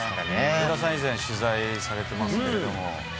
上田さん、以前に取材されていますけども。